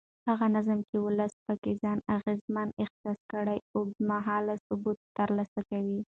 هغه نظام چې ولس پکې ځان اغېزمن احساس کړي اوږد مهاله ثبات ترلاسه کوي